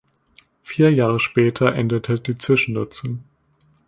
Vier Jahre später endete die Zwischennutzung.